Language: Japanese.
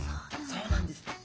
そうなんです。